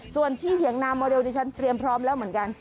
ส่วนที่เถียงนาโมเรลดิฉันเตรียมพร้อมแล้วเหมือนกัน